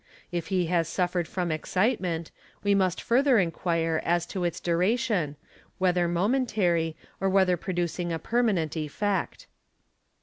If he has suffered from excitement, we must further enquire as to its duration, whether momentary or whether producing a permanent effect.